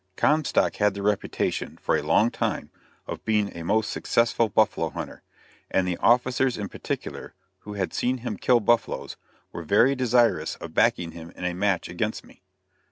Comstock had the reputation, for a long time, of being a most successful buffalo hunter, and the officers in particular, who had seen him kill buffaloes, were very desirous of backing him in a match against me.